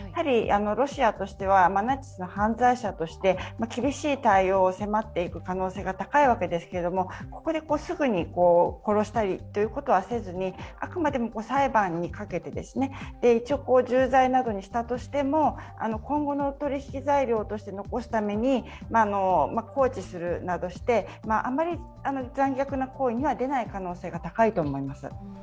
ロシアとしてはナチスの犯罪者として厳しい対応を迫っていく可能性が高いわけですが、ここですぐに殺したりということはせずにあくまでも裁判にかけて重罪などにしたとしても今後の取引き材料として残すために、拘置するなどしてあまり残虐な行為には出ない可能性が高いと思います。